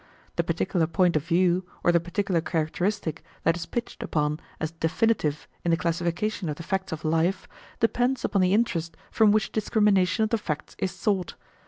The particular point of view, or the particular characteristic that is pitched upon as definitive in the classification of the facts of life depends upon the interest from which a discrimination of the facts is sought.